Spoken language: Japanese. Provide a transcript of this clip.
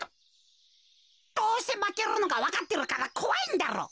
どうせまけるのがわかってるからこわいんだろ。